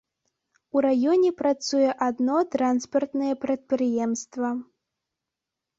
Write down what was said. У раёне працуе адно транспартнае прадпрыемства.